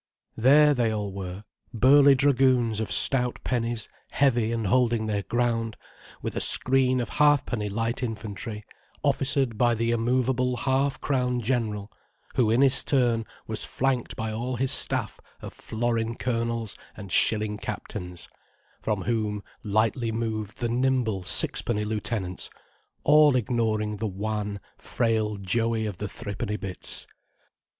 There they all were: burly dragoons of stout pennies, heavy and holding their ground, with a screen of halfpenny light infantry, officered by the immovable half crown general, who in his turn was flanked by all his staff of florin colonels and shilling captains, from whom lightly moved the nimble sixpenny lieutenants all ignoring the wan, frail Joey of the threepenny bits.